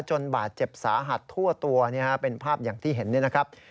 บาดเจ็บสาหัสทั่วตัวเป็นภาพอย่างที่เห็นนี่นะครับ